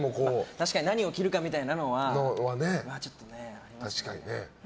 確かに何を着るかみたいなのはちょっとありますね。